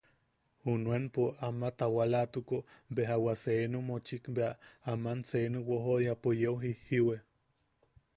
Junuenpo, ama a tawalatuko beja wa seenu mochik bea aman seenu wojoʼoriapo yeu jijjiwe.